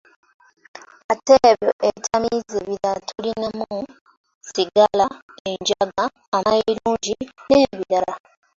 Ate byo ebitamiiza ebirala tulinamu, sigala, enjaga, amayirungi n'ebirala.